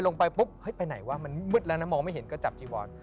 ลงไปปุ๊บเฮ้ยไปไหนวะมันมืดแล้วนะมองไม่เห็นก็จับจีวอน